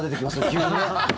急にね。